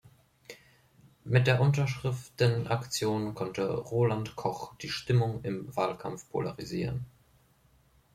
Mit der Unterschriftenaktion konnte Roland Koch die Stimmung im Wahlkampf polarisieren.